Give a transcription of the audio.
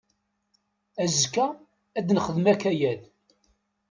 Azekka ad nexdem akayad.